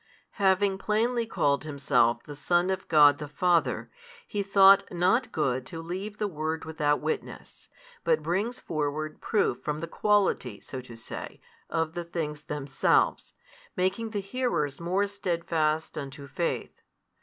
Having plainly called Himself the Son of God the Father, He thought not good to leave the word without witness, but brings forward proof from the quality, so to say, of the things themselves, making the hearers more steadfast unto faith.